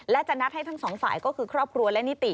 และจะนัดให้ทั้งสองฝ่ายก็คือครอบครัวและนิติ